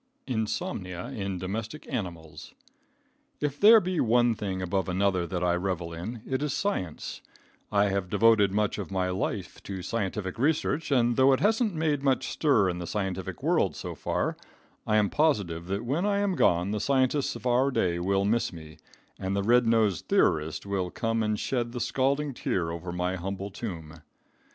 Insomnia in Domestic Animals. If there be one thing above another that I revel in, it is science. I have devoted much of my life to scientific research, and though it hasn't made much stir in the scientific world so far, I am positive that when I am gone the scientists of our day will miss me, and the red nosed theorist will come and shed the scalding tear over my humble tomb.